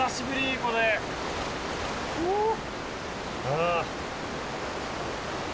ああ。